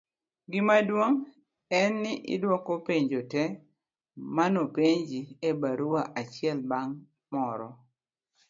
gimaduong' en ni idwoko penjo te manopenji e barua achiel bang' moro